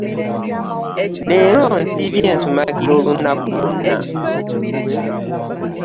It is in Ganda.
Leero nsiibye nsumagira olunaku lwonna.